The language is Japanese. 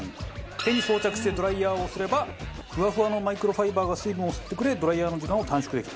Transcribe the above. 手に装着してドライヤーをすればふわふわのマイクロファイバーが水分を吸ってくれドライヤーの時間を短縮できる。